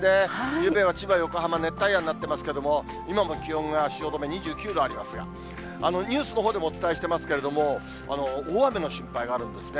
ゆうべは千葉、横浜熱帯夜になってますけれども、今の気温が汐留２９度ありますが、ニュースのほうでもお伝えしていますけれども、大雨の心配があるんですね。